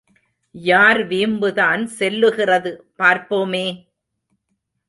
யார் வீம்புதான் செல்லுகிறது, பார்ப்போமே!